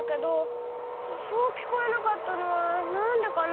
そうきこえなかったのはなんでかな？